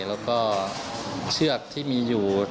และเชือกที่มีอยู่